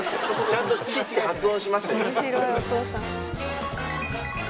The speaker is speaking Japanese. ちゃんと「ち」って発音しましたよ。